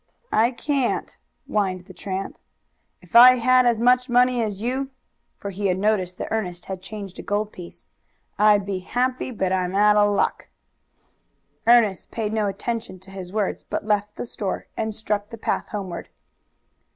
"I can't," whined the tramp. "If I had as much money as you" for he had noticed that Ernest had changed a gold piece "I'd be happy, but I'm out of luck." Ernest paid no attention to his words, but left the store and struck the path homeward.